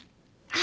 あ。